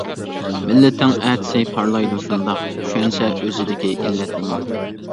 مىللىتىڭ ئەتىسى پارلايدۇ شۇنداق، چۈشەنسە ئۆزىدىكى ئىللەتنىمۇ.